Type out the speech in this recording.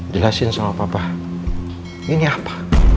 jelasin sama papa ini apa